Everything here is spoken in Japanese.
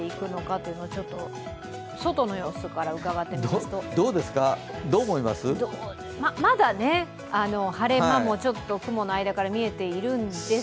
外の様子からうかがってみますとまだね、晴れ間もちょっと雲の間から見えているんですが